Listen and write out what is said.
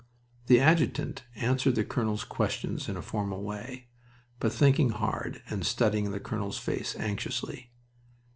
The adjutant answered the colonel's questions in a formal way, but thinking hard and studying the colonel's face anxiously.